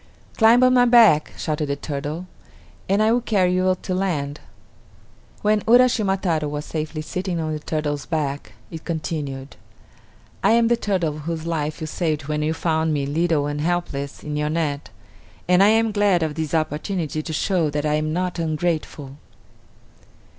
"Climb on my back," shouted the turtle, "and I will carry you to land." When Uraschima Taro was safely sitting on the turtle's back it continued: "I am the turtle whose life you saved when you found me, little and helpless, in your net, and I am glad of this opportunity to show that I am not ungrateful."